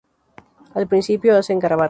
Al principio, hacen garabatos.